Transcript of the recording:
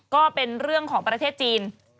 ก็เป็นเรื่องของประเทศจีน